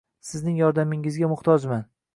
Sizning yordamingizga muhtojman